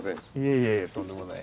いえいえとんでもない。